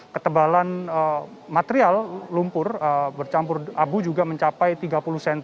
ketebalan material lumpur bercampur abu juga mencapai tiga puluh cm